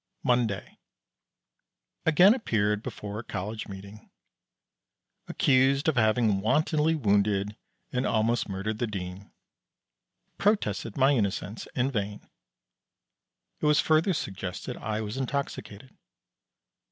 Monday. Again appeared before a College meeting. Accused of having wantonly wounded, and almost murdered the Dean. Protested my innocence in vain. It was further suggested I was intoxicated.